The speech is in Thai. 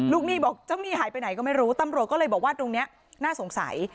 หนี้บอกเจ้าหนี้หายไปไหนก็ไม่รู้ตำรวจก็เลยบอกว่าตรงนี้น่าสงสัย